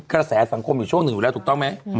กระแสสังคมอยู่ช่วงหนึ่งอยู่แล้วถูกต้องไหม